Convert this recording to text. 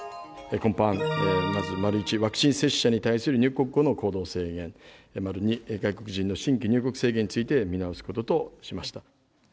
今般、まず丸１、ワクチン接種に対する入国後の行動制限、丸２、外国人の新規入国制限について見直すこととしました。